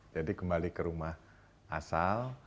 jadi kembali ke rumah asal